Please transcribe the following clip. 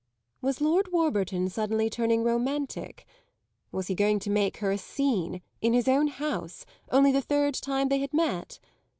Was Lord Warburton suddenly turning romantic was he going to make her a scene, in his own house, only the third time they had met?